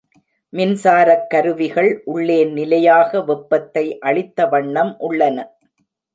மின்சாரக் கருவிகள் உள்ளே நிலையாக வெப்பத்தை அளித்த வண்ணம் உள்ளன.